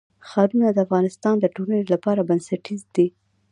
ښارونه د افغانستان د ټولنې لپاره بنسټیز دي.